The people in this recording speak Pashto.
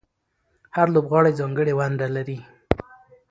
هر لوبغاړی ځانګړې ونډه لري.